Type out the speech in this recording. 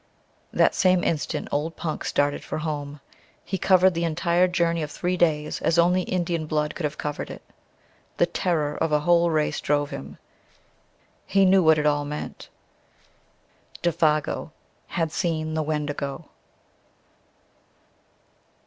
That same instant old Punk started for home. He covered the entire journey of three days as only Indian blood could have covered it. The terror of a whole race drove him. He knew what it all meant. Défago had "seen the Wendigo."